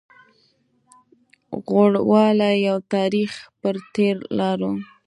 غوړولي يو تاريخ پر تېرو لارو